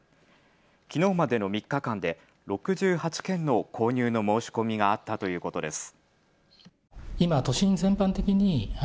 きのうまでの３日間で６８件の購入の申し込みがあったということです。